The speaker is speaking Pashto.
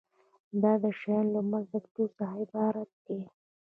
دا د شیانو له منځه تلو څخه عبارت دی.